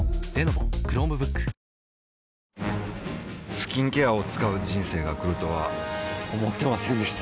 スキンケアを使う人生が来るとは思ってませんでした